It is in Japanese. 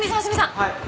はい？